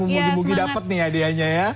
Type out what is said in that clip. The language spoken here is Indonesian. mugi mugi dapet nih hadiahnya ya